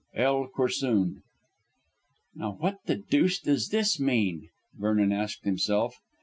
L. Corsoon." "Now what the deuce does this mean?" Vernon asked himself.